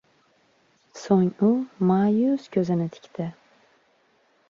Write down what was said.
Soʻng u maʼyus koʻzini tikdi